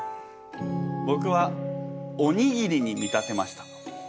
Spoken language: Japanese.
ぼくはおにぎりに見立てました。